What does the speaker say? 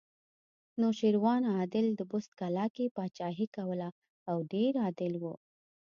نوشیروان عادل د بست کلا کې پاچاهي کوله او ډېر عادل و